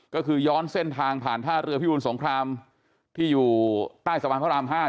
ก็คือย้อนเส้นทางผ่านท่าเรือพิบูลสงครามที่อยู่ใต้สะพานพระราม๕